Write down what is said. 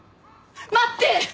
待って！